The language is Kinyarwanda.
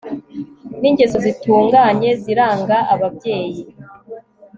ningeso zitunganye ziranga ababyeyi